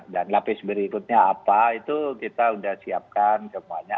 dan lapis berikutnya apa itu kita sudah siapkan semuanya